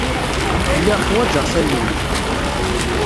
Lliɣ ḥwaǧeɣ tallunt.